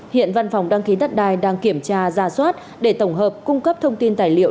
hiện văn phòng đăng ký đất đai đang kiểm tra ra soát để tổng hợp cung cấp thông tin tài liệu